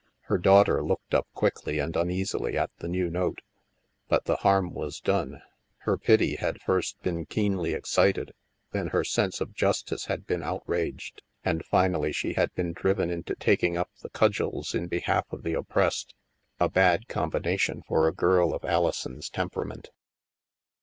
Her daughter looked up quickly and uneasily at the new note. But the harm was done; her pity had first been keenly excited, then her sense of justice had been outraged, and finally she had been driven into taking up the STILL WATERS 73 cudgels in behalf of the oppressed. A bad com bination for a girl of Alison's temperament.